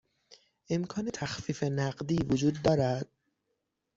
امکان تخفیف نقدی وجود دارد؟